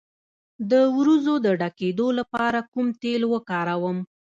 د وروځو د ډکیدو لپاره کوم تېل وکاروم؟